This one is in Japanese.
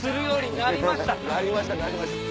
なりましたなりました。